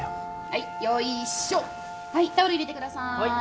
はいタオル入れてください。